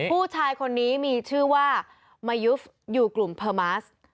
ผู้ชายคนนี้มีชื่อว่ามายุฟอยู่กลุ่มเพอร์มัส